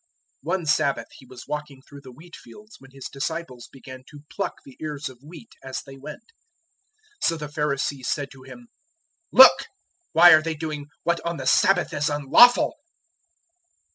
002:023 One Sabbath He was walking through the wheatfields when His disciples began to pluck the ears of wheat as they went. 002:024 So the Pharisees said to Him, "Look! why are they doing what on the Sabbath is unlawful?"